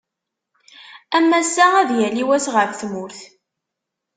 Am wass-a ad yali wass ɣef tmurt.